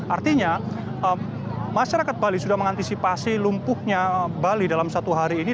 artinya masyarakat bali sudah mengantisipasi lumpuhnya bali dalam satu hari ini